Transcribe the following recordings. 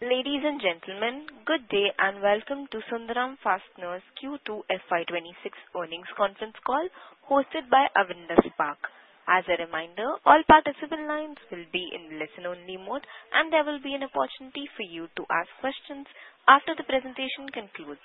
Ladies and gentlemen, good day and welcome to Sundram Fasteners Q2 FY26 earnings conference call hosted by Avendus Spark. As a reminder, all participant lines will be in listen-only mode, and there will be an opportunity for you to ask questions after the presentation concludes.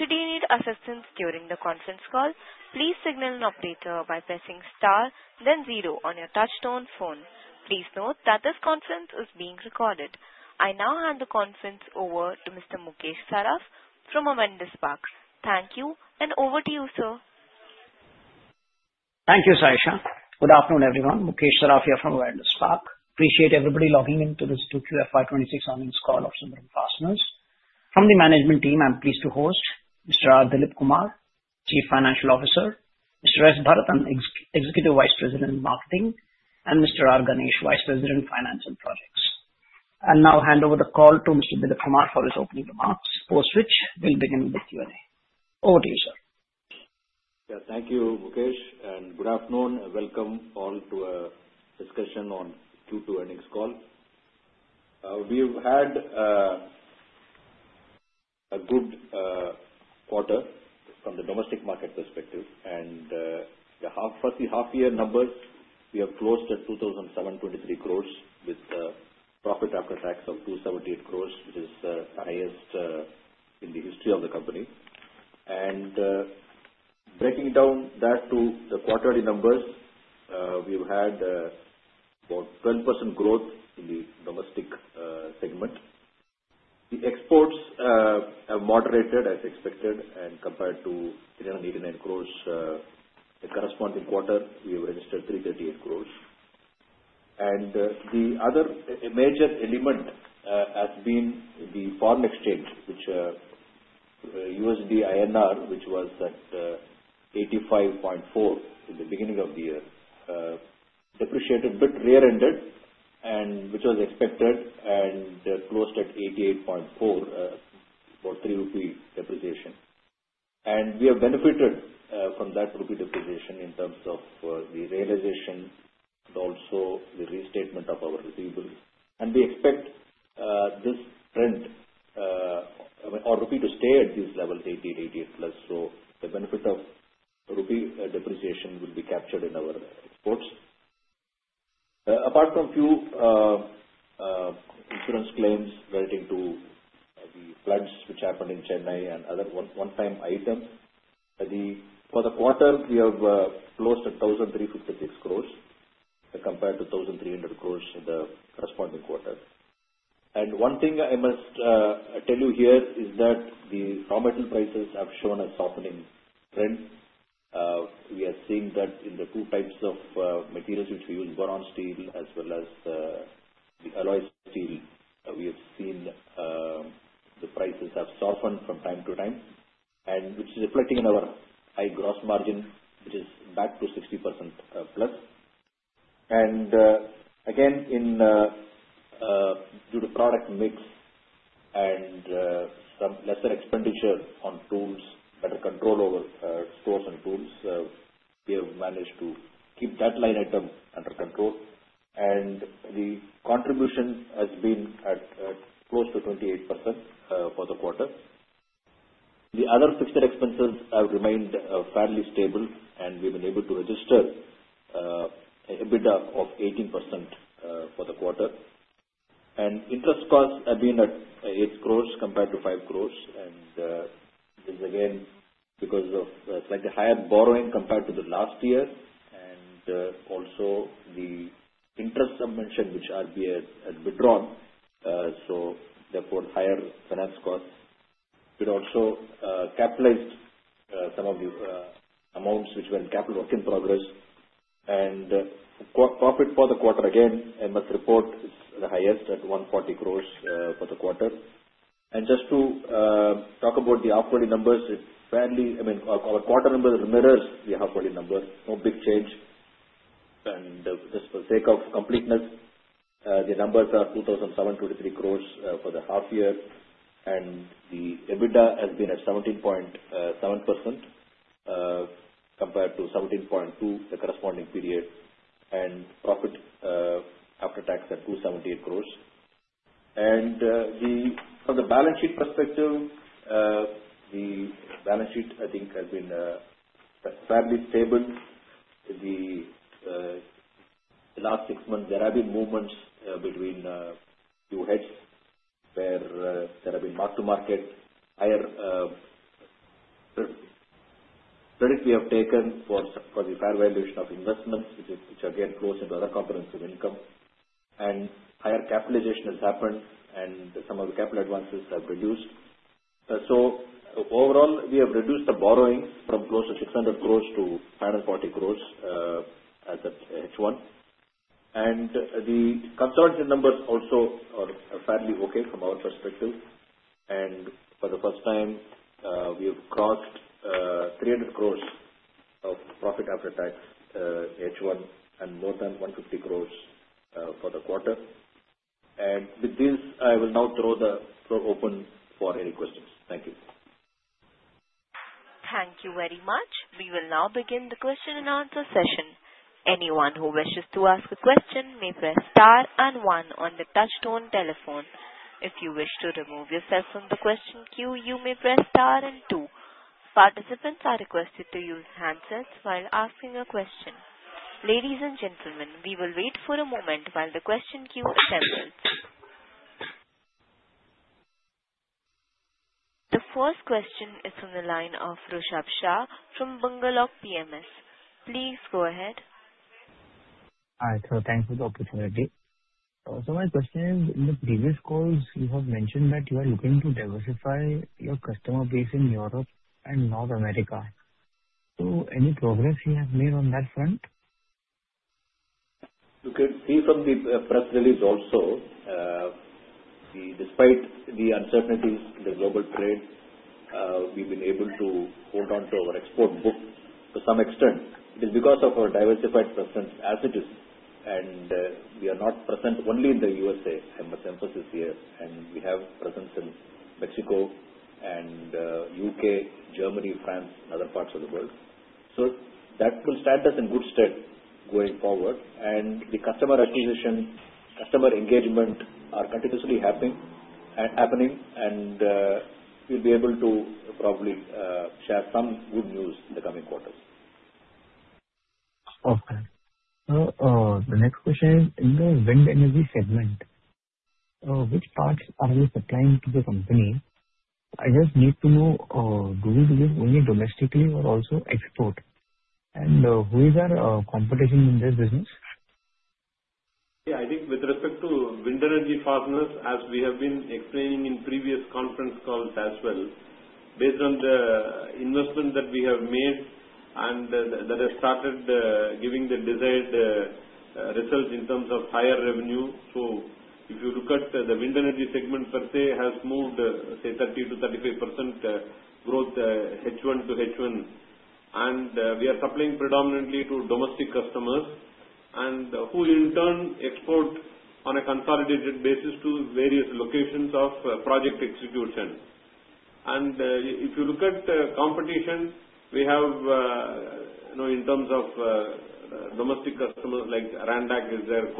Should you need assistance during the conference call, please signal an operator by pressing star, then zero on your touch-tone phone. Please note that this conference is being recorded. I now hand the conference over to Mr. Mukesh Saraf from Avendus Spark. Thank you, and over to you, sir. Thank you, Sai Shah. Good afternoon, everyone. Mukesh Saraf here from Avendus Spark. Appreciate everybody logging into this Q2 FY26 earnings call of Sundram Fasteners. From the management team, I'm pleased to host Mr. R. Dilip Kumar, Chief Financial Officer, Mr. S. Bharat, Executive Vice President, Marketing, and Mr. R. Ganesh, Vice President, Finance and Projects. I'll now hand over the call to Mr. Dilip Kumar for his opening remarks, post which we'll begin with the Q&A. Over to you, sir. Thank you, Mukesh, and good afternoon, and welcome all to a discussion on the Q2 earnings call. We've had a good quarter from the domestic market perspective, and the first half-year numbers, we have closed at 2,723 crores with a profit after tax of 278 crores, which is the highest in the history of the company. And breaking down that to the quarterly numbers, we've had about 12% growth in the domestic segment. The exports have moderated, as expected, and compared to 389 crores in the corresponding quarter, we've registered 338 crores. And the other major element has been the foreign exchange, which USD/INR, which was at 85.4 in the beginning of the year, depreciated, but rear-ended, which was expected, and closed at 88.4, about ₹3 depreciation. And we have benefited from that ₹ depreciation in terms of the realization and also the restatement of our receivables. We expect this trend of the rupee to stay at this level, 88, 88 plus, so the benefit of rupee depreciation will be captured in our exports. Apart from a few insurance claims relating to the floods which happened in Chennai and other one-time items, for the quarter, we have closed at 1,356 crores compared to 1,300 crores in the corresponding quarter. One thing I must tell you here is that the raw metal prices have shown a softening trend. We are seeing that in the two types of materials which we use, boron steel as well as the alloy steel; we have seen the prices have softened from time to time, which is reflecting in our higher gross margin, which is back to 60% plus. Again, due to product mix and some lesser expenditure on tools, better control over stores and tools, we have managed to keep that line item under control. The contribution has been close to 28% for the quarter. The other fixed expenses have remained fairly stable, and we've been able to register an EBITDA of 18% for the quarter. Interest costs have been at 8 crores compared to 5 crores, and this is again because of slightly higher borrowing compared to the last year, and also the interest subvention, which RBI had withdrawn, so therefore higher finance costs. We also capitalized some of the amounts which were in capital work in progress, and profit for the quarter, again, I must report, is the highest at 140 crores for the quarter. Just to talk about the outstanding numbers, our quarterly numbers mirrors the outstanding number, no big change. Just for the sake of completeness, the numbers are 2,723 crores for the half year, and the EBITDA has been at 17.7% compared to 17.2% in the corresponding period, and profit after tax at 278 crores. From the balance sheet perspective, the balance sheet, I think, has been fairly stable. In the last six months, there have been movements between a few heads where there have been mark-to-market, higher credit we have taken for the fair valuation of investments, which again flows into other components of income, and higher capitalization has happened, and some of the capital advances have reduced. Overall, we have reduced the borrowing from close to 600 crores to 540 crores as at H1. The consolidated numbers also are fairly okay from our perspective, and for the first time, we have crossed 300 crores of profit after tax, H1 and more than 150 crores for the quarter. With this, I will now throw the floor open for any questions. Thank you. Thank you very much. We will now begin the question and answer session. Anyone who wishes to ask a question may press star and one on the touch-tone telephone. If you wish to remove yourself from the question queue, you may press star and two. Participants are requested to use handsets while asking a question. Ladies and gentlemen, we will wait for a moment while the question queue assembles. The first question is from the line of Rishabh Shah from Bugler Rock Capital. Please go ahead. Hi, sir. Thanks for the opportunity. So my question is, in the previous calls, you have mentioned that you are looking to diversify your customer base in Europe and North America. So any progress you have made on that front? You can see from the press release also, despite the uncertainties in the global trade, we've been able to hold on to our export book to some extent. It is because of our diversified presence as it is, and we are not present only in the USA, I must emphasize here, and we have presence in Mexico and the U.K., Germany, France, and other parts of the world. So that will set us in good stead going forward, and the customer acquisition, customer engagement are continuously happening, and we'll be able to probably share some good news in the coming quarters. Okay. So the next question is, in the wind energy segment, which parts are you supplying to the company? I just need to know, do you do this only domestically or also export? And who is our competition in this business? Yeah, I think with respect to wind energy fasteners, as we have been explaining in previous conference calls as well, based on the investment that we have made and that has started giving the desired results in terms of higher revenue. So if you look at the wind energy segment per se, it has moved, say, 30% to 35% growth H1 to H1, and we are supplying predominantly to domestic customers, and who in turn export on a consolidated basis to various locations of project execution. If you look at the competition, we have in terms of domestic customers like Randack, is there,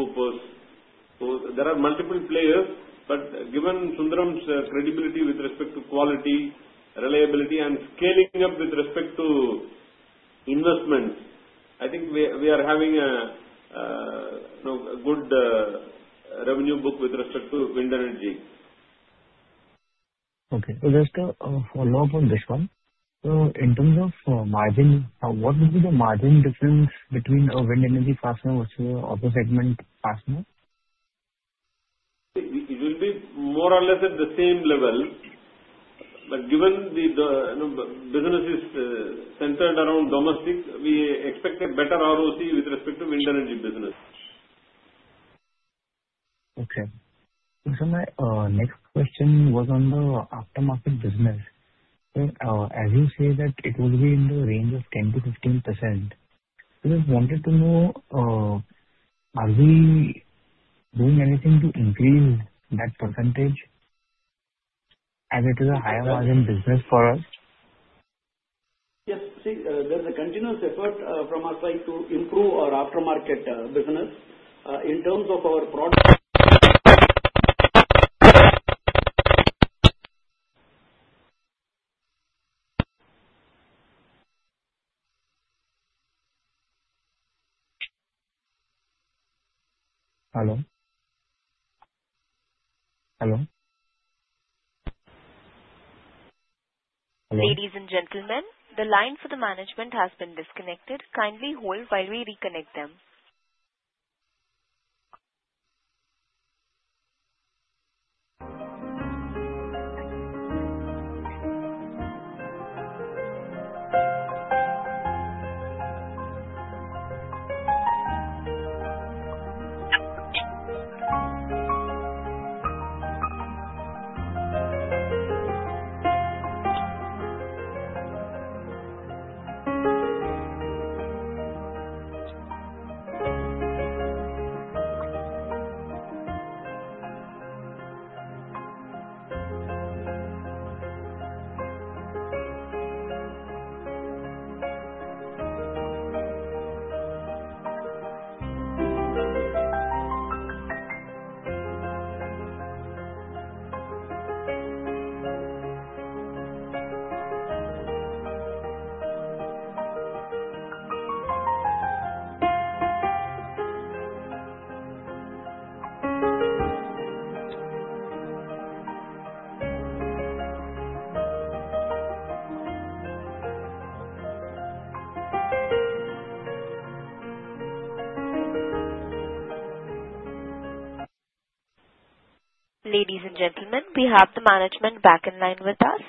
Cooper. There are multiple players, but given Sundram's credibility with respect to quality, reliability, and scaling up with respect to investment, I think we are having a good revenue book with respect to wind energy. Okay. So just to follow up on this one, so in terms of margin, what would be the margin difference between a wind energy fastener versus an auto segment fastener? It will be more or less at the same level, but given the business is centered around domestic, we expect a better ROCE with respect to wind energy business. Okay. So my next question was on the aftermarket business. As you say that it will be in the range of 10% to 15%, I just wanted to know, are we doing anything to increase that percentage as it is a higher margin business for us? Yes. See, there is a continuous effort from our side to improve our aftermarket business in terms of our product. Hello? Hello? Ladies and gentlemen, the line for the management has been disconnected. Kindly hold while we reconnect them. Ladies and gentlemen, we have the management back in line with us.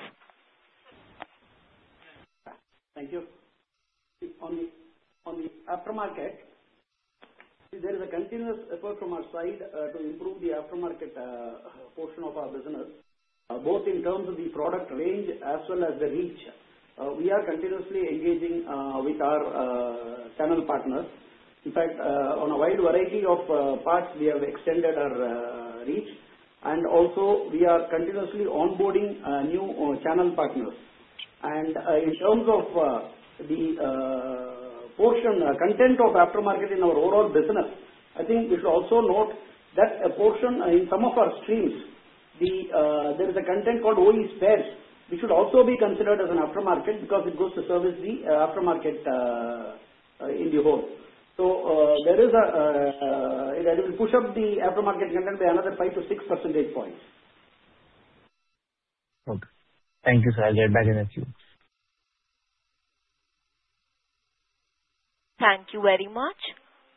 Thank you. On the aftermarket, there is a continuous effort from our side to improve the aftermarket portion of our business, both in terms of the product range as well as the reach. We are continuously engaging with our channel partners. In fact, on a wide variety of parts, we have extended our reach, and also we are continuously onboarding new channel partners. And in terms of the content of aftermarket in our overall business, I think we should also note that a portion in some of our streams, there is a content called OE spares, which should also be considered as an aftermarket because it goes to service the aftermarket in the whole. So that will push up the aftermarket content by another 5% to 6 %points. Okay. Thank you, sir. I'll get back in a few. Thank you very much.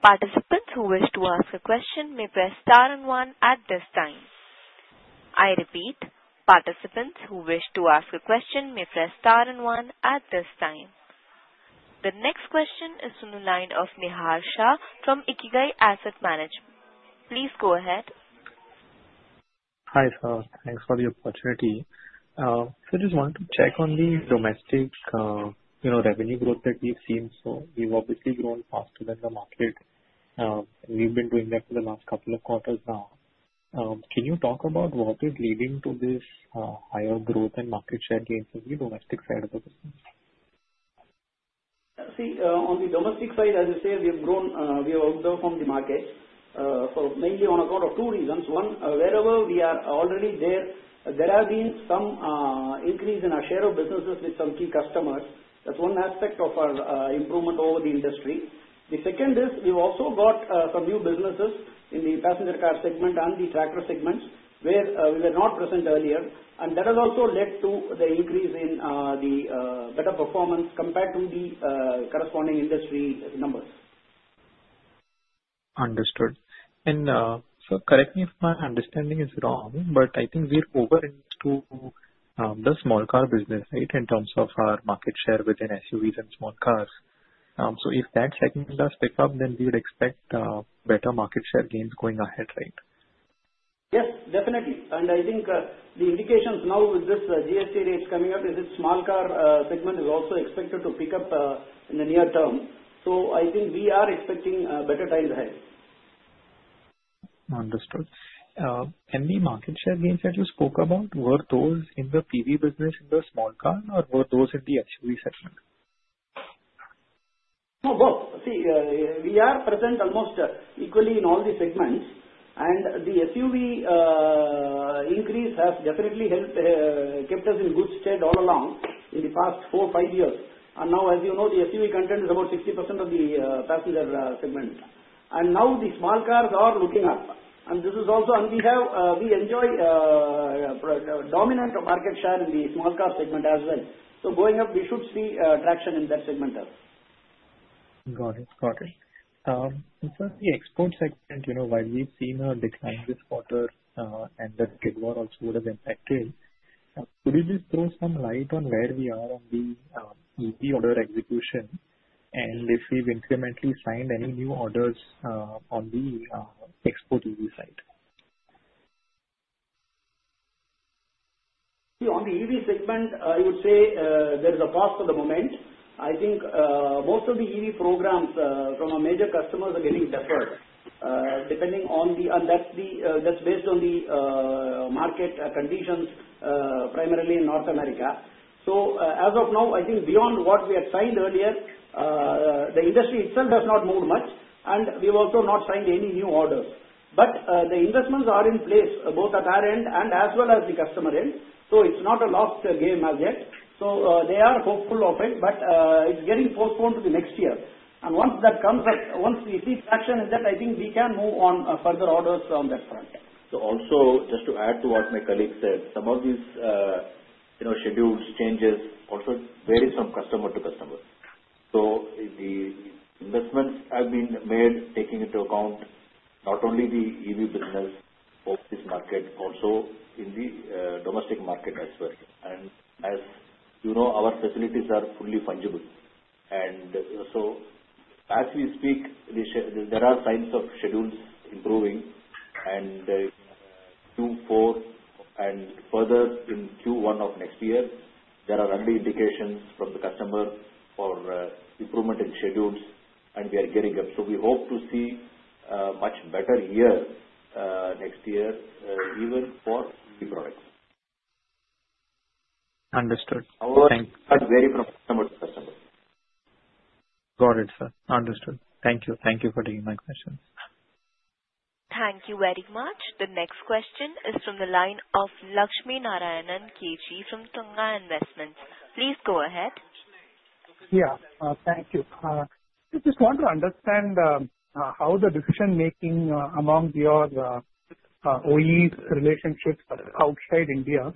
Participants who wish to ask a question may press star and one at this time. I repeat, participants who wish to ask a question may press star and one at this time. The next question is from the line of Nihar Shah from Ikigai Asset Management. Please go ahead. Hi, sir. Thanks for the opportunity. So I just wanted to check on the domestic revenue growth that we've seen. So we've obviously grown faster than the market, and we've been doing that for the last couple of quarters now. Can you talk about what is leading to this higher growth and market share gain from the domestic side of the business? See, on the domestic side, as you say, we have grown. We have outgrown the market mainly on a couple of two reasons. One, wherever we are already there, there have been some increase in our share of businesses with some key customers. That's one aspect of our improvement over the industry. The second is we've also got some new businesses in the passenger car segment and the tractor segments where we were not present earlier, and that has also led to the increase in the better performance compared to the corresponding industry numbers. Understood. And sir, correct me if my understanding is wrong, but I think we're overexposed in the small car business, right, in terms of our market share within SUVs and small cars. So if that segment does pick up, then we would expect better market share gains going ahead, right? Yes, definitely. And I think the indications now with this GST rate coming up is that the small car segment is also expected to pick up in the near term. So I think we are expecting better times ahead. Understood. And the market share gains that you spoke about, were those in the PV business in the small car, or were those in the SUV segment? Both. See, we are present almost equally in all these segments, and the SUV increase has definitely kept us in good stead all along in the past four, five years, and now, as you know, the SUV content is about 60% of the passenger segment, and now the small cars are looking up, and this is also on behalf we enjoy a dominant market share in the small car segment as well, so going up, we should see traction in that segment as well. Got it. Got it. And sir, the export segment, while we've seen a decline this quarter and that Gidwar also would have impacted, could you just throw some light on where we are on the EV order execution and if we've incrementally signed any new orders on the export EV side? On the EV segment, I would say there is a pause for the moment. I think most of the EV programs from our major customers are getting deferred, depending on the, and that's based on the market conditions, primarily in North America. So as of now, I think beyond what we had signed earlier, the industry itself has not moved much, and we have also not signed any new orders. But the investments are in place, both at our end and as well as the customer end, so it's not a lost game as yet. So they are hopeful of it, but it's getting postponed to the next year. And once that comes up, once we see traction in that, I think we can move on further orders on that front. So also, just to add to what my colleague said, some of these scheduled changes also vary from customer to customer. So the investments have been made taking into account not only the EV business, but this market also in the domestic market as well. And as you know, our facilities are fully fungible. And so as we speak, there are signs of schedules improving, and Q4 and further in Q1 of next year, there are early indications from the customer for improvement in schedules, and we are gearing up. So we hope to see a much better year next year, even for EV products. Understood. Thank you. But vary from customer to customer. Got it, sir. Understood. Thank you. Thank you for taking my questions. Thank you very much. The next question is from the line of Lakshmi Narayanan KG from Tunga Investments. Please go ahead. Yeah. Thank you. I just want to understand how the decision-making among your OE relationships outside India,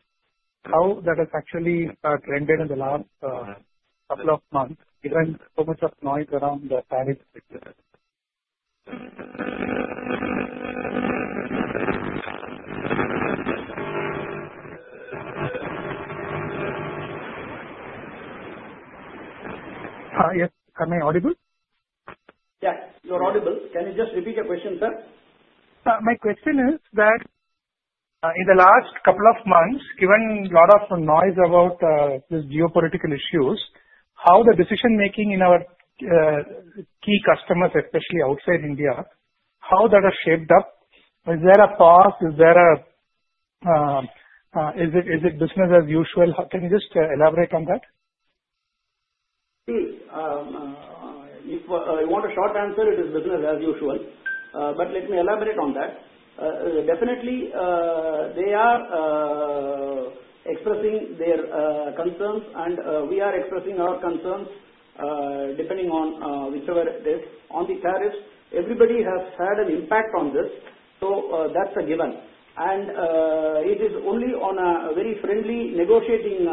how that has actually trended in the last couple of months, given so much of noise around the tariffs? Yes. Am I audible? Yes. You're audible. Can you just repeat your question, sir? My question is that in the last couple of months, given a lot of noise about these geopolitical issues, how the decision-making in our key customers, especially outside India, how that has shaped up? Is there a pause? Is it business as usual? Can you just elaborate on that? See, if I want a short answer, it is business as usual. But let me elaborate on that. Definitely, they are expressing their concerns, and we are expressing our concerns depending on whichever it is. On the tariffs, everybody has had an impact on this, so that's a given. And it is only on a very friendly negotiating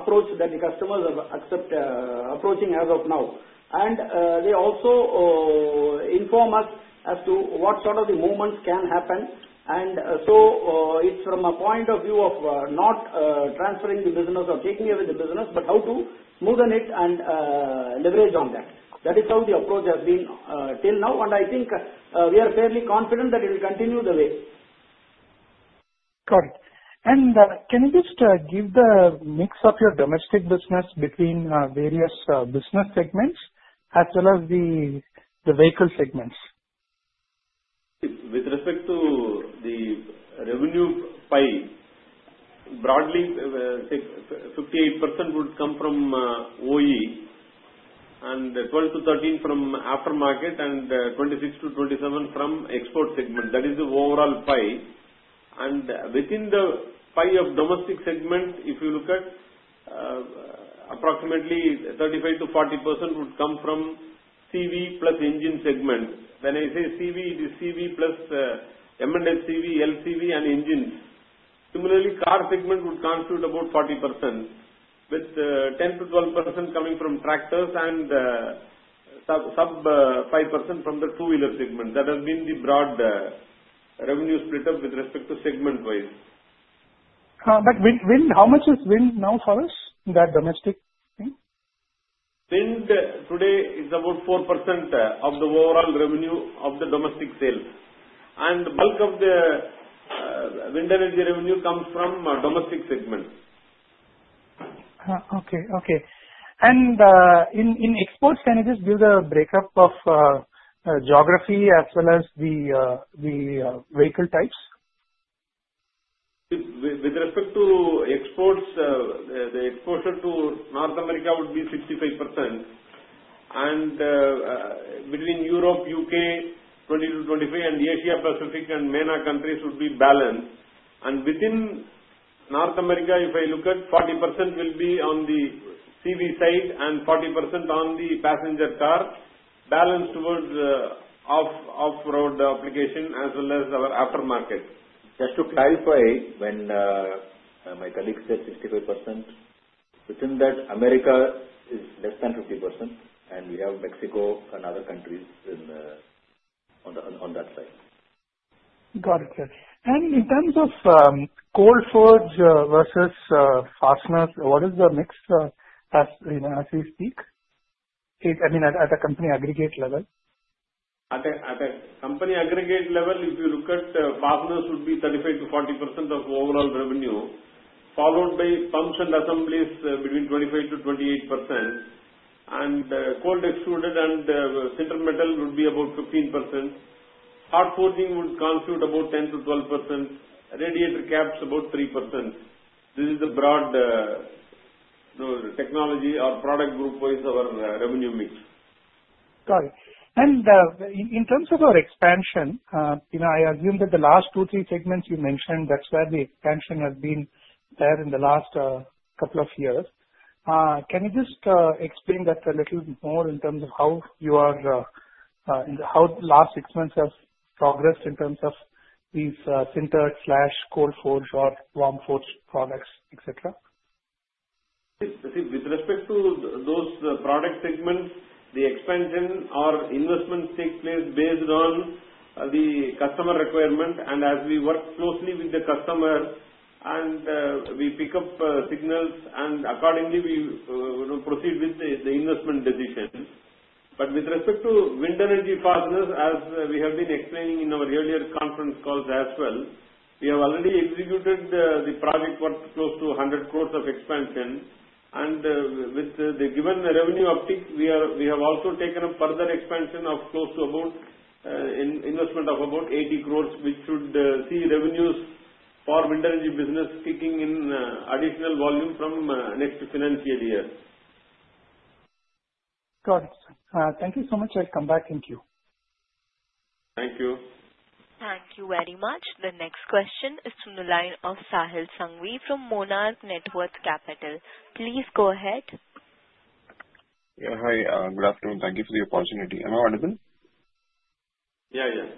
approach that the customers are approaching as of now. And they also inform us as to what sort of movements can happen. And so it's from a point of view of not transferring the business or taking away the business, but how to smoothen it and leverage on that. That is how the approach has been till now, and I think we are fairly confident that it will continue the way. Got it. And can you just give the mix of your domestic business between various business segments as well as the vehicle segments? With respect to the revenue pie, broadly, 58% would come from OE, and 12% to 13% from aftermarket, and 26% to 27% from export segment. That is the overall pie. And within the pie of domestic segment, if you look at approximately 35% to 40% would come from CV plus engine segment. When I say CV, it is CV plus M&HCV, LCV, and engines. Similarly, car segment would constitute about 40%, with 10% to 12% coming from tractors and sub-5% from the two-wheeler segment. That has been the broad revenue split up with respect to segment-wise. But how much is wind now for us in that domestic thing? Wind today is about 4% of the overall revenue of the domestic sales, and the bulk of the wind energy revenue comes from domestic segment. Okay. And in exports, can you just give the break-up of geography as well as the vehicle types? With respect to exports, the exposure to North America would be 65%, and between Europe, U.K., 20% to 25%, and the Asia Pacific and MENA countries would be balanced. Within North America, if I look at 40% will be on the CV side and 40% on the passenger car, balanced towards off-road application as well as our aftermarket. Just to clarify, when my colleague said 65%, within that, America is less than 50%, and we have Mexico and other countries on that side. Got it, sir. And in terms of cold extruded versus fasteners, what is the mix as we speak? I mean, at a company aggregate level? At a company aggregate level, if you look at fasteners, it would be 35% to 40% of overall revenue, followed by pumps and assemblies between 25% to 28%. And cold extruded and sintered metal would be about 15%. Hot forged would constitute about 10% to 12%. Radiator caps, about 3%. This is the broad technology or product group-wise of our revenue mix. Got it. And in terms of our expansion, I assume that the last two, three segments you mentioned, that's where the expansion has been there in the last couple of years. Can you just explain that a little more in terms of how you are, how the last six months have progressed in terms of these sintered/cold forged or warm forged products, etc.? See, with respect to those product segments, the expansion or investment takes place based on the customer requirement, and as we work closely with the customer, we pick up signals, and accordingly, we proceed with the investment decision, but with respect to wind energy fasteners, as we have been explaining in our earlier conference calls as well, we have already executed the project for close to 100 crores of expansion, and with the given revenue uptick, we have also taken up further expansion of close to about an investment of about 80 crores, which should see revenues for wind energy business kicking in additional volume from next financial year. Got it, sir. Thank you so much. I'll come back and queue. Thank you. Thank you very much. The next question is from the line of Sahil Sangvi from Monarch Networth Capital. Please go ahead. Yeah. Hi. Good afternoon. Thank you for the opportunity. Am I audible? Yeah. Yes.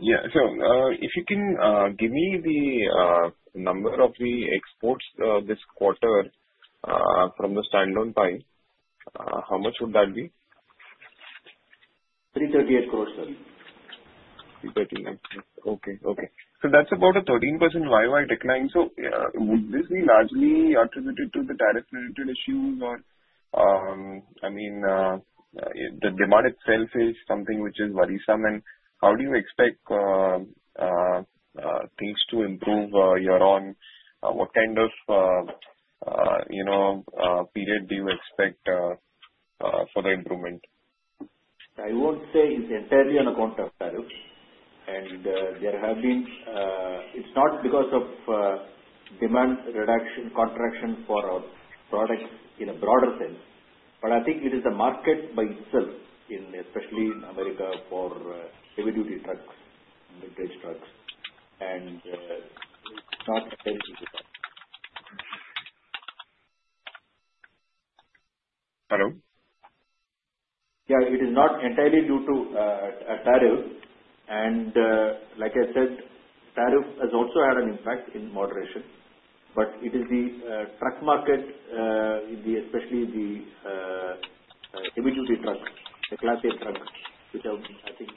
Yeah. So if you can give me the number of the exports this quarter from the standalone pie, how much would that be? 338 crores, sir. INR 339 crores. Okay. So that's about a 13% YY decline. So would this be largely attributed to the tariff-related issues or, I mean, the demand itself is something which is worrisome? And how do you expect things to improve year-on? What kind of period do you expect for the improvement? I won't say it's entirely on account of tariff. There have been. It's not because of demand reduction, contraction for our products in a broader sense, but I think it is the market by itself, especially in America for heavy-duty trucks, mid-range trucks, and it's not entirely due to that. Hello? Yeah. It is not entirely due to tariff. And like I said, tariff has also had an impact in moderation. But it is the truck market, especially the heavy-duty trucks, the Class 8 trucks, which are, I think,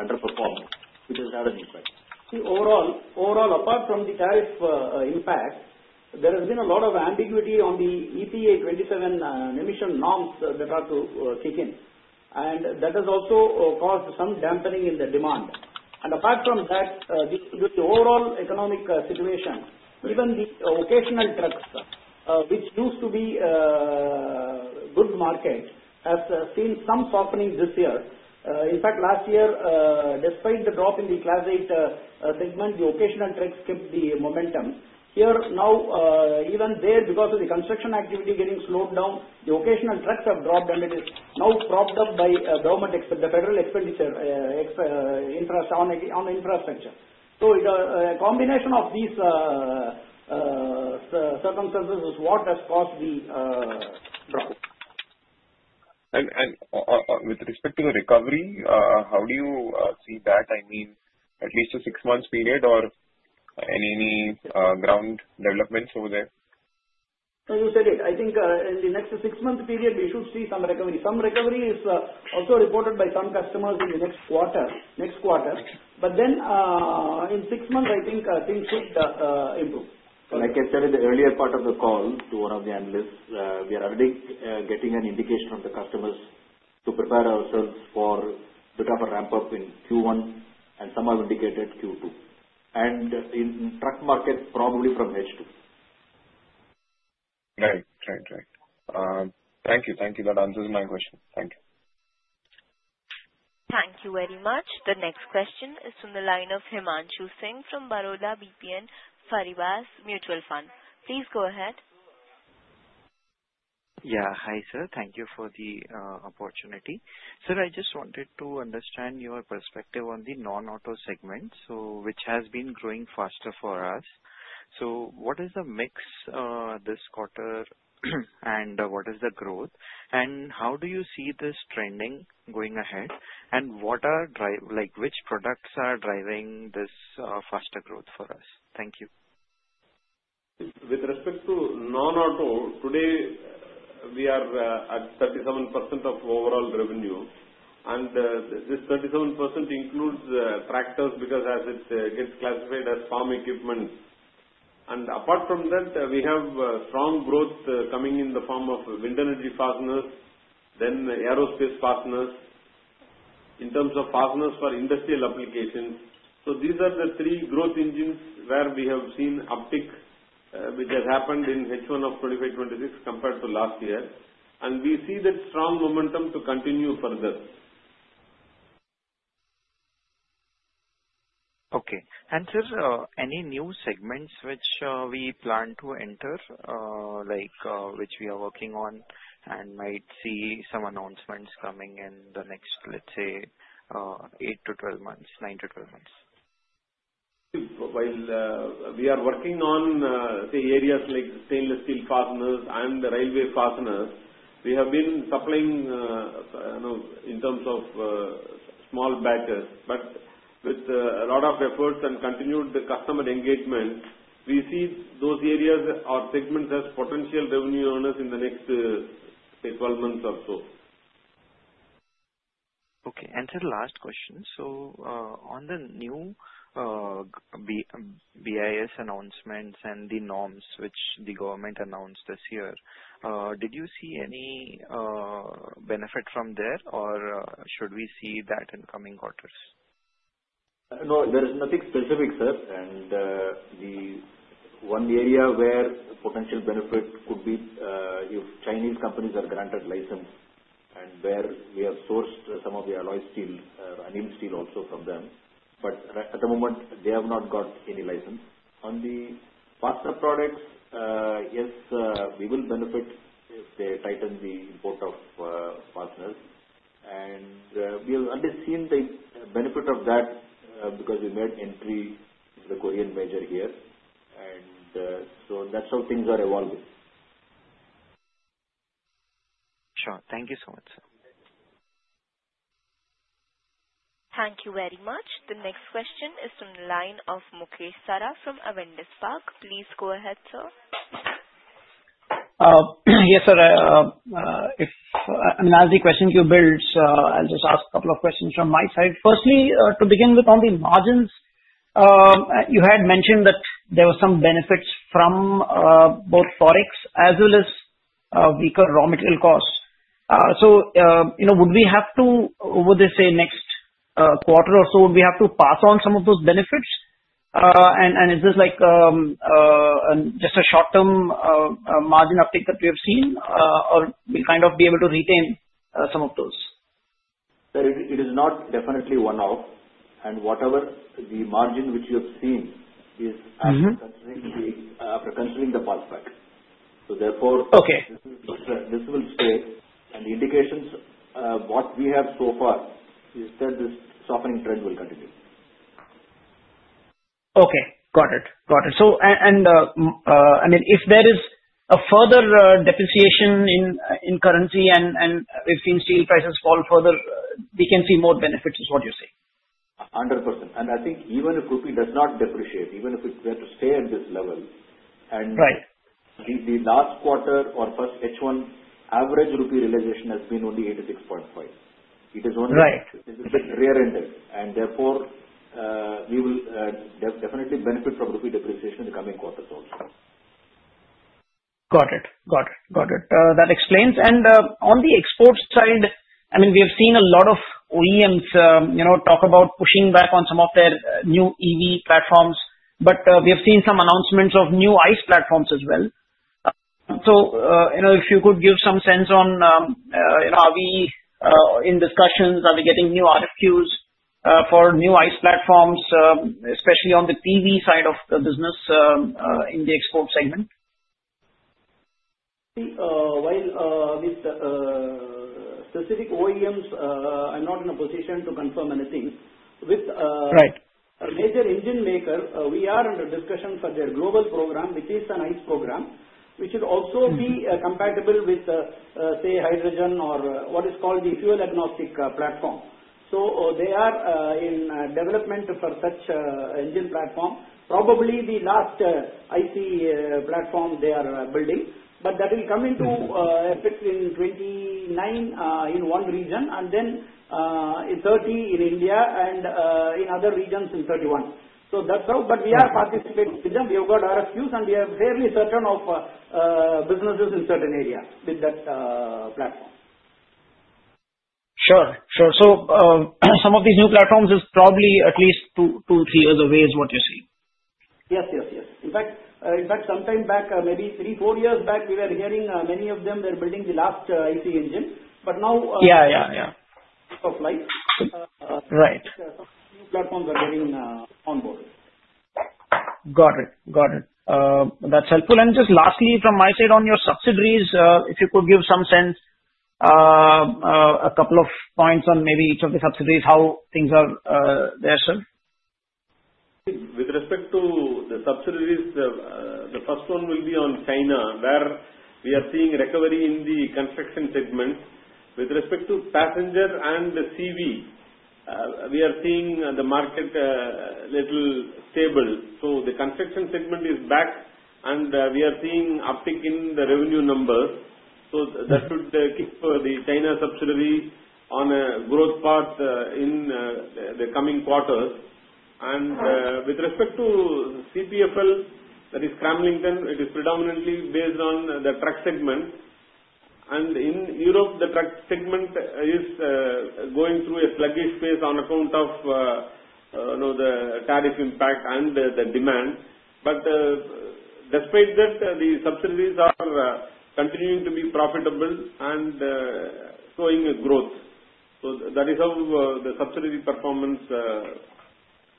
underperforming, which has had an impact. Overall, apart from the tariff impact, there has been a lot of ambiguity on the EPA 2027 emission norms that are to kick in. And that has also caused some dampening in the demand. And apart from that, the overall economic situation, even the vocational trucks, which used to be a good market, has seen some softening this year. In fact, last year, despite the drop in the Class 8 segment, the vocational trucks kept the momentum. However, now, even there, because of the construction activity getting slowed down, the vocational trucks have dropped, and it is now propped up by the federal infrastructure. So a combination of these circumstances is what has caused the drop. With respect to the recovery, how do you see that? I mean, at least a six-month period or any ground developments over there? As you said, I think in the next six-month period, we should see some recovery. Some recovery is also reported by some customers in the next quarter. But then in six months, I think things should improve. Like I said in the earlier part of the call to one of the analysts, we are already getting an indication from the customers to prepare ourselves for a bit of a ramp-up in Q1 and some have indicated Q2. And in truck market, probably from H2. Right. Thank you. That answers my question. Thank you. Thank you very much. The next question is from the line of Himanshu Singh from Baroda BNP Paribas Mutual Fund. Please go ahead. Yeah. Hi, sir. Thank you for the opportunity. Sir, I just wanted to understand your perspective on the non-auto segment, which has been growing faster for us. So what is the mix this quarter and what is the growth? And how do you see this trending going ahead? And which products are driving this faster growth for us? Thank you. With respect to non-auto, today we are at 37% of overall revenue. And this 37% includes tractors because as it gets classified as farm equipment. And apart from that, we have strong growth coming in the form of wind energy fasteners, then aerospace fasteners, in terms of fasteners for industrial applications. So these are the three growth engines where we have seen uptick, which has happened in H1 of FY26 compared to last year. And we see that strong momentum to continue further. Okay. And sir, any new segments which we plan to enter, which we are working on and might see some announcements coming in the next, let's say, eight to 12 months, nine to 12 months? While we are working on, say, areas like stainless steel fasteners and the railway fasteners, we have been supplying in terms of small batches. But with a lot of efforts and continued customer engagement, we see those areas or segments as potential revenue earners in the next 12 months or so. Okay. And then, last question. So, on the new BIS announcements and the norms which the government announced this year, did you see any benefit from there or should we see that in coming quarters? No. There is nothing specific, sir. And the one area where potential benefit could be if Chinese companies are granted license and where we have sourced some of the alloy steel, boron steel also from them. But at the moment, they have not got any license. On the fastener products, yes, we will benefit if they tighten the import of fasteners. And we have already seen the benefit of that because we made entry into the Korean major here. And so that's how things are evolving. Sure. Thank you so much, sir. Thank you very much. The next question is from the line of Mukesh Saraf from Avendus Spark. Please go ahead, sir. Yes, sir. I mean, as the question queue builds, I'll just ask a couple of questions from my side. Firstly, to begin with, on the margins, you had mentioned that there were some benefits from both forex as well as weaker raw material costs. So would we have to, over, let's say, next quarter or so, would we have to pass on some of those benefits? And is this just a short-term margin uptick that we have seen, or we'll kind of be able to retain some of those? It is not definitely one-off. And whatever the margin which you have seen is after considering the past facts. So therefore, this will stay. And the indications of what we have so far is that this softening trend will continue. Okay. Got it. Got it. And I mean, if there is a further depreciation in currency and we've seen steel prices fall further, we can see more benefits, is what you're saying? 100%. And I think even if Rupee does not depreciate, even if it were to stay at this level, and I think the last quarter or first H1 average Rupee realization has been only 86.5. It is only a bit rear-ended. And therefore, we will definitely benefit from Rupee depreciation in the coming quarters also. Got it. Got it. Got it. That explains. And on the export side, I mean, we have seen a lot of OEMs talk about pushing back on some of their new EV platforms. But we have seen some announcements of new ICE platforms as well. So if you could give some sense on are we in discussions? Are we getting new RFQs for new ICE platforms, especially on the PV side of the business in the export segment? While with specific OEMs, I'm not in a position to confirm anything. With a major engine maker, we are under discussion for their global program, which is an ICE program, which will also be compatible with, say, hydrogen or what is called the fuel-agnostic platform. So they are in development for such engine platform. Probably the last ICE platform they are building. But that will come into effect in 2029 in one region and then in 2030 in India and in other regions in 2031. So that's how. But we are participating with them. We have got RFQs, and we are fairly certain of businesses in certain areas with that platform. Sure. Sure. So some of these new platforms is probably at least two, three years away is what you're saying? Yes. Yes. Yes. In fact, sometime back, maybe three, four years back, we were hearing many of them were building the last ICE engine. But now. Yeah. Yeah. Yeah. Of flight. Right. Some new platforms are getting onboarded. Got it. Got it. That's helpful. And just lastly, from my side on your subsidiaries, if you could give some sense, a couple of points on maybe each of the subsidiaries, how things are there, sir? With respect to the subsidiaries, the first one will be on China, where we are seeing recovery in the construction segment. With respect to passenger and the CV, we are seeing the market a little stable. So the construction segment is back, and we are seeing uptick in the revenue numbers. So that should keep the China subsidiary on a growth path in the coming quarters. And with respect to CPFL, that is Cramlington, it is predominantly based on the truck segment. And in Europe, the truck segment is going through a sluggish phase on account of the tariff impact and the demand. But despite that, the subsidiaries are continuing to be profitable and showing growth. So that is how the subsidiary performance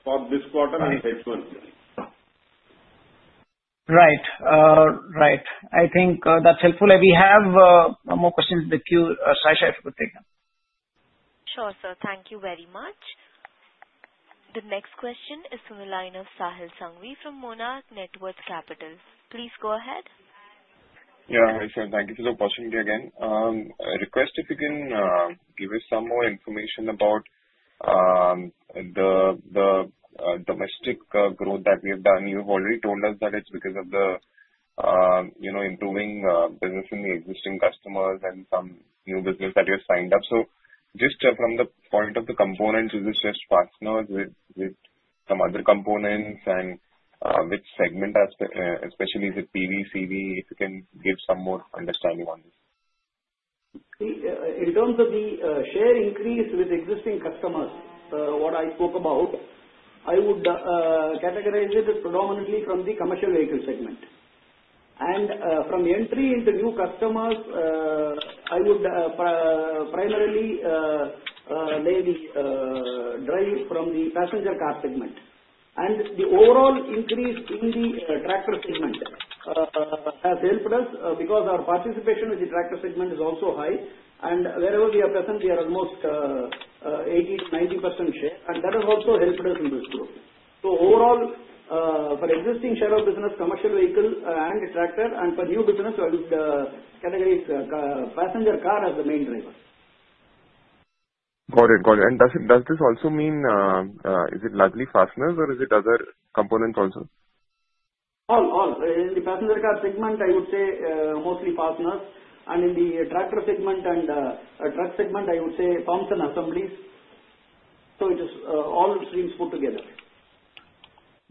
for this quarter and H1. Right. Right. I think that's helpful. We have one more question in the queue. Sai, if you could take them. Sure, sir. Thank you very much. The next question is from the line of Sahil Sangvi from Monarch Networth Capital. Please go ahead. Yeah. Hi, sir. Thank you for the opportunity again. I request if you can give us some more information about the domestic growth that we have done. You've already told us that it's because of the improving business in the existing customers and some new business that you have signed up. So just from the point of the components, is it just fasteners with some other components and which segment, especially is it PV, CV? If you can give some more understanding on this. In terms of the share increase with existing customers, what I spoke about, I would categorize it predominantly from the commercial vehicle segment. And from the entry into new customers, I would primarily lay the drive from the passenger car segment. And the overall increase in the tractor segment has helped us because our participation in the tractor segment is also high. And wherever we are present, we are almost 80% to 90% share. And that has also helped us in this growth. So overall, for existing share of business, commercial vehicle and tractor, and for new business, I would categorize passenger car as the main driver. Got it. Got it. And does this also mean is it largely fasteners, or is it other components also? In the passenger car segment, I would say mostly fasteners. And in the tractor segment and truck segment, I would say pumps and assemblies. So it is all streams put together.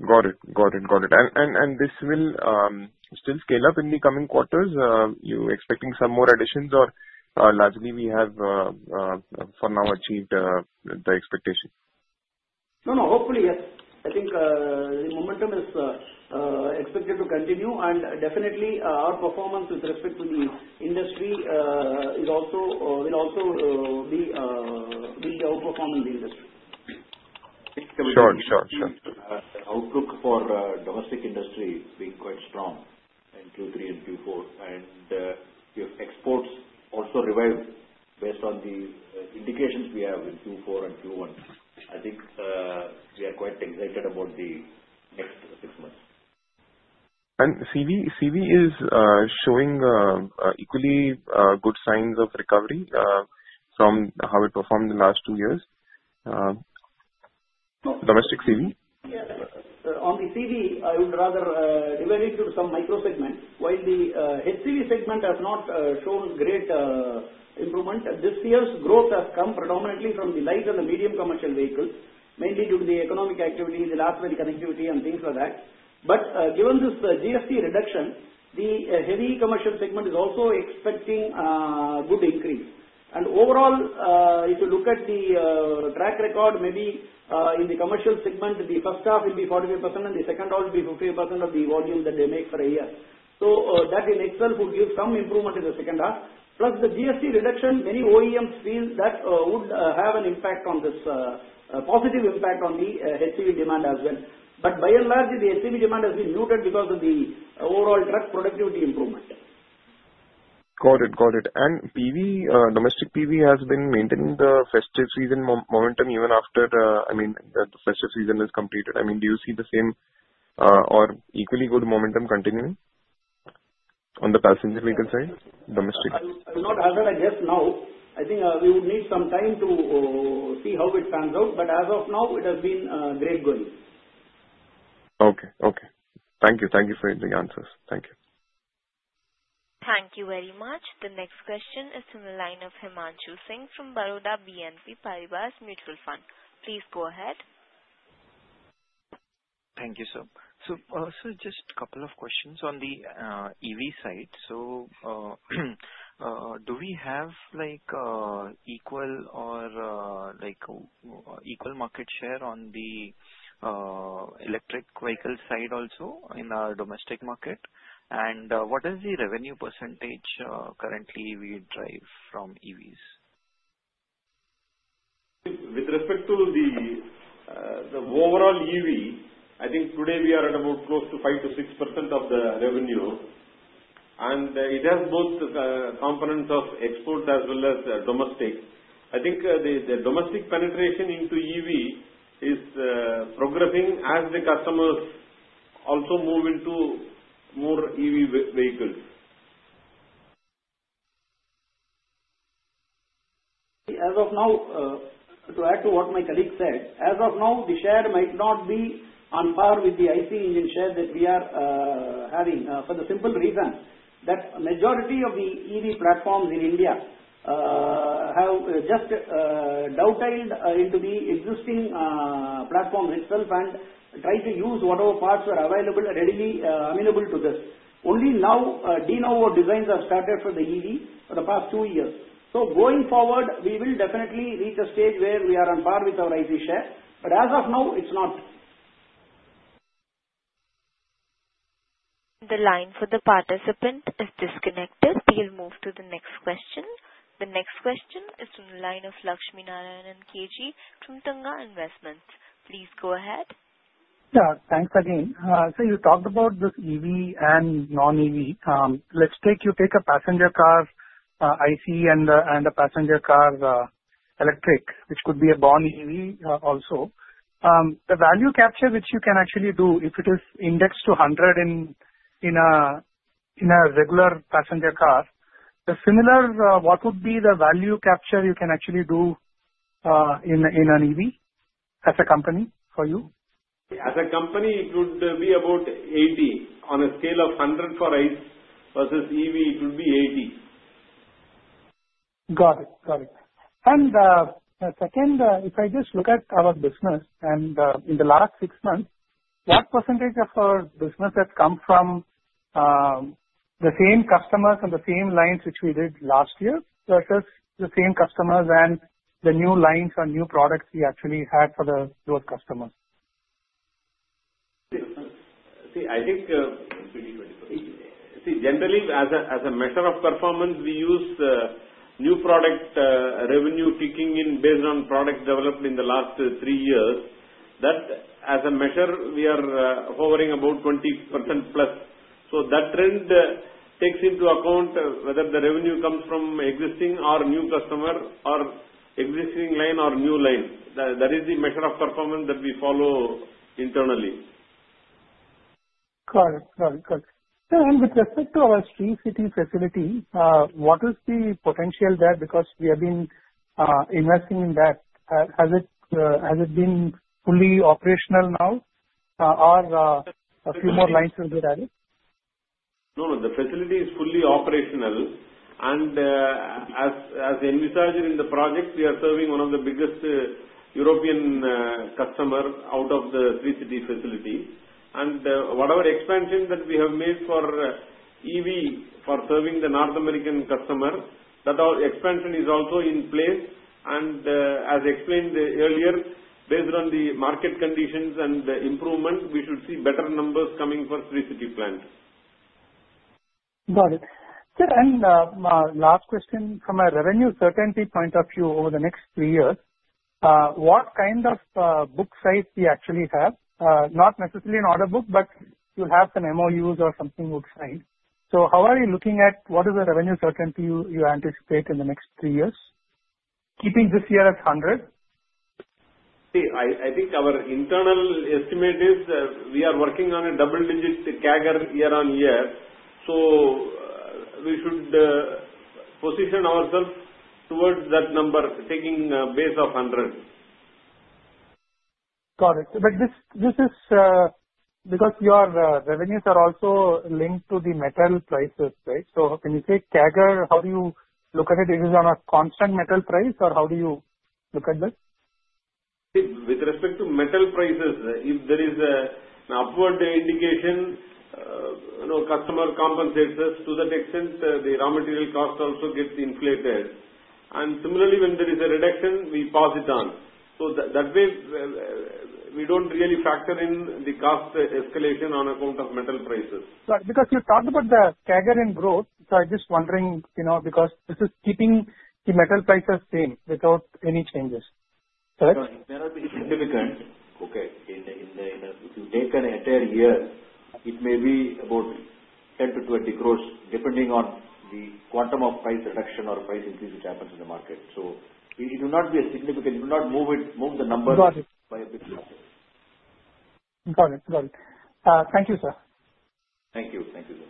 Got it. And this will still scale up in the coming quarters? You expecting some more additions, or largely we have for now achieved the expectation? No. No. Hopefully, yes. I think the momentum is expected to continue, and definitely, our performance with respect to the industry will also be outperforming the industry. Sure. Sure. Sure. Outlook for domestic industry being quite strong in Q3 and Q4. And if exports also revive based on the indications we have in Q4 and Q1, I think we are quite excited about the next six months. CV is showing equally good signs of recovery from how it performed the last two years. Domestic CV? On the CV, I would rather divide it into some micro segments. While the HCV segment has not shown great improvement, this year's growth has come predominantly from the light and the medium commercial vehicles, mainly due to the economic activity, the last mile connectivity, and things like that. But given this GST reduction, the heavy commercial segment is also expecting a good increase. And overall, if you look at the track record, maybe in the commercial segment, the first half will be 45%, and the second half will be 50% of the volume that they make for a year. So that in itself would give some improvement in the second half. Plus the GST reduction, many OEMs feel that would have an impact on this, a positive impact on the HCV demand as well. But by and large, the HCV demand has been muted because of the overall truck productivity improvement. Got it. Got it. And PV, domestic PV has been maintaining the festive season momentum even after, I mean, the festive season is completed. I mean, do you see the same or equally good momentum continuing on the passenger vehicle side? Domestic? Not as of, I guess, now. I think we would need some time to see how it pans out. But as of now, it has been great going. Okay. Thank you for the answers. Thank you very much. The next question is from the line of Himanshu Singh from Baroda BNP Paribas Mutual Fund. Please go ahead. Thank you, sir. So just a couple of questions on the EV side. So do we have equal or equal market share on the electric vehicle side also in our domestic market? And what is the revenue percentage currently we drive from EVs? With respect to the overall EV, I think today we are at about close to 5% to 6% of the revenue, and it has both components of export as well as domestic. I think the domestic penetration into EV is progressing as the customers also move into more EV vehicles. As of now, to add to what my colleague said, as of now, the share might not be on par with the ICE engine share that we are having for the simple reason that majority of the EV platforms in India have just dovetailed into the existing platforms itself and try to use whatever parts are readily available to them. Only now, de novo designs have started for the EV for the past two years, so going forward, we will definitely reach a stage where we are on par with our ICE share, but as of now, it's not. The line for the participant is disconnected. We'll move to the next question. The next question is from the line of Lakshmi Narayanan KG from Tunga Investments. Please go ahead. Yeah. Thanks again. So you talked about this EV and non-EV. Let's take a passenger car ICE and a passenger car electric, which could be a born EV also. The value capture which you can actually do if it is indexed to 100 in a regular passenger car, the similar what would be the value capture you can actually do in an EV as a company for you? As a company, it would be about 80. On a scale of 100 for ICE versus EV, it would be 80. Got it. Got it. And second, if I just look at our business and in the last six months, what percentage of our business has come from the same customers and the same lines which we did last year versus the same customers and the new lines or new products we actually had for those customers? See, I think generally, as a measure of performance, we use new product revenue as a percentage based on product development in the last three years. That, as a measure, we are hovering about 20% plus. So that trend takes into account whether the revenue comes from existing or new customer or existing line or new line. That is the measure of performance that we follow internally. Got it. Got it. Got it. And with respect to our street fitting facility, what is the potential there because we have been investing in that? Has it been fully operational now, or a few more lines will be added? No. No. The facility is fully operational. And as envisaged in the project, we are serving one of the biggest European customers out of the forging facility. And whatever expansion that we have made for EV for serving the North American customer, that expansion is also in place. And as explained earlier, based on the market conditions and the improvement, we should see better numbers coming for forging plant. Got it. And last question from a revenue certainty point of view over the next three years, what kind of book size we actually have? Not necessarily an order book, but you'll have some MOUs or something book signed. So how are you looking at what is the revenue certainty you anticipate in the next three years? Keeping this year at 100. See, I think our internal estimate is we are working on a double-digit CAGR year on year. So we should position ourselves towards that number, taking a base of 100. Got it. But this is because your revenues are also linked to the metal prices, right? So when you say CAGR, how do you look at it? Is it on a constant metal price, or how do you look at this? With respect to metal prices, if there is an upward indication, customer compensates us to that extent. The raw material cost also gets inflated. And similarly, when there is a reduction, we pass it on. So that way, we don't really factor in the cost escalation on account of metal prices. Because you talked about the CAGR and growth, so I'm just wondering because this is keeping the metal prices same without any changes. Correct? It may not be significant. Okay. If you take an entire year, it may be about 10% to 20% growth, depending on the quantum of price reduction or price increase which happens in the market. So it will not be significant. It will not move the numbers by a big factor. Got it. Got it. Thank you, sir. Thank you. Thank you, sir.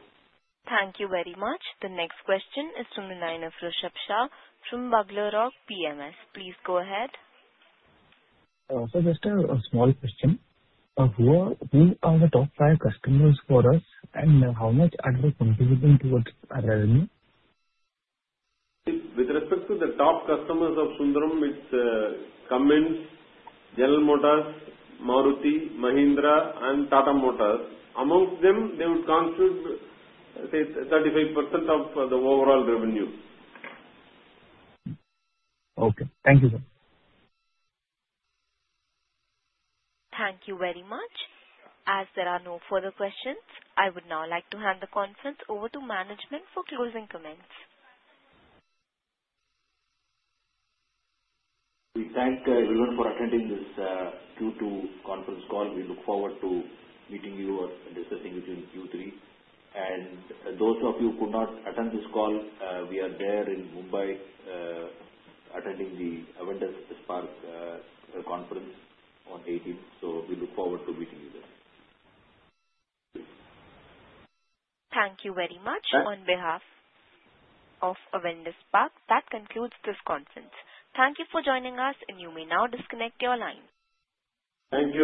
Thank you very much. The next question is from the line of Rishabh Shah from Bugler Rock PMS. Please go ahead. Just a small question. Who are the top five customers for us, and how much are they contributing towards our revenue? With respect to the top customers of Sundram, it's Cummins, General Motors, Maruti, Mahindra, and Tata Motors. Among them, they would constitute 35% of the overall revenue. Okay. Thank you, sir. Thank you very much. As there are no further questions, I would now like to hand the conference over to management for closing comments. We thank everyone for attending this Q2 conference call. We look forward to meeting you or discussing with you in Q3. Those of you who could not attend this call, we are there in Mumbai attending the Avendus Spark conference on the 18th. We look forward to meeting you there. Thank you very much. On behalf of Avendus Spark, that concludes this conference. Thank you for joining us, and you may now disconnect your line. Thank you.